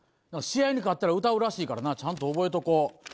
試合に勝ったら歌うらしいからなちゃんと覚えとこう。